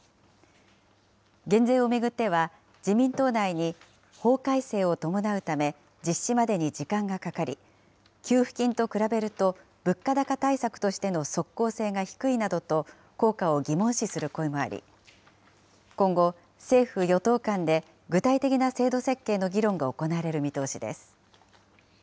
減税を巡っては、自民党内に法改正を伴うため、実施までに時間がかかり、給付金と比べると物価高対策としての即効性が低いなどと、効果を疑問視する声もあり、今後、政府・与党間で具体的な制度設計の議論が行われる見通しです。